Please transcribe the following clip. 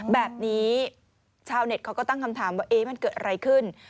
แบบนี้ชาวเน็ตเขาก็ตั้งคำถามว่ามันเกิดอะไรขึ้น